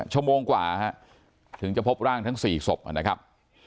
ชั่วโมงกว่าถึงจะพบร่างทั้ง๔ศพนะครับ